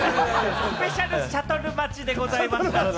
スペシャルシャトル待ちでございました。